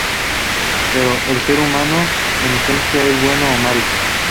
Pero, el ser humano, en esencia: ¿es bueno o malo?